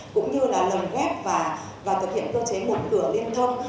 cũng như là lầm ghép và thực hiện cơ chế mục cửa liên thông